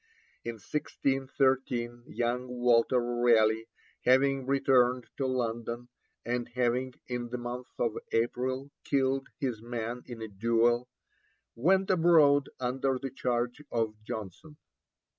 In 1613 young Walter Raleigh, having returned to London, and having, in the month of April, killed his man in a duel, went abroad under the charge of Jonson.